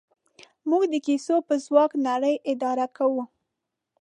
موږ د کیسو په ځواک نړۍ اداره کوو.